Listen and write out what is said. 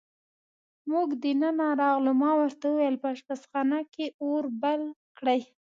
موږ دننه راغلو، ما ورته وویل: په اشپزخانه کې اور بل کړئ.